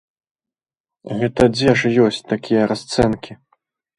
Гэта дзе ж ёсць такія расцэнкі?